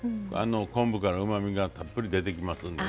昆布からうまみがたっぷり出てきますんでね。